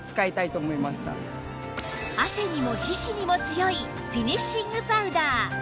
汗にも皮脂にも強いフィニッシングパウダー